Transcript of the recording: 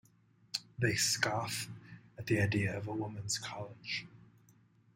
They scoff at the idea of a woman's college.